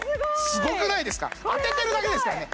すごくないですか当ててるだけですからね